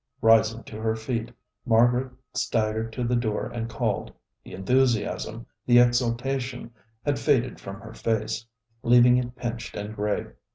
Rising to her feet, Margaret staggered to the door and called. The enthusiasm, the exaltation, had faded from her face, leaving it pinched and gray.